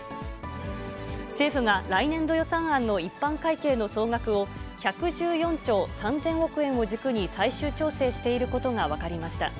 政府が来年度予算案の一般会計の総額を、１１４兆３０００億円を軸に最終調整していることが分かりました。